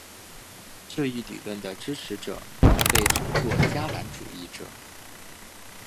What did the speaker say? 这一理论的支持者被称作迦南主义者。